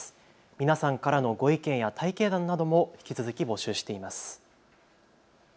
皆さんからのご意見や体験談なども引き続き募集しています。